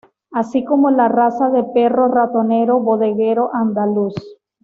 Así como la raza de perro Ratonero bodeguero andaluz.